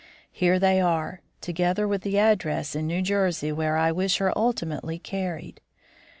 "Here they are, together with the address in New Jersey where I wish her ultimately carried.